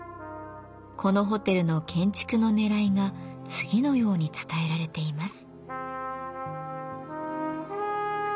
このホテルの建築のねらいが次のように伝えられています。